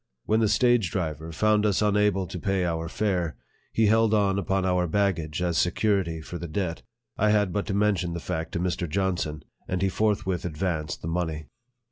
When the stage driver found us unable to pay our fare, he held on upon our baggage as security for the debt. I had but to mention the fact to Mr. Johnson, and he forthwith advanced the money.